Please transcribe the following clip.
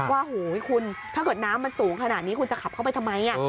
โหคุณถ้าเกิดน้ำมันสูงขนาดนี้คุณจะขับเข้าไปทำไม